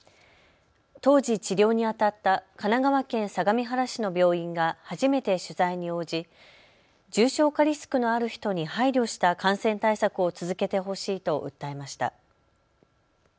当時治療にあたった神奈川県相模原市の病院が初めて取材に応じ重症化リスクのある人に配慮した感染対策を続けてほしいと訴えました。